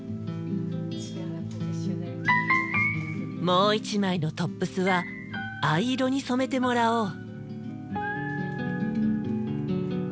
もう一枚のトップスは藍色に染めてもらおう。